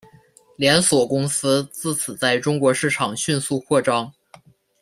连锁公司自此在中国市场迅速扩张。